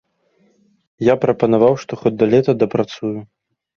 Я прапанаваў, што хоць да лета дапрацую.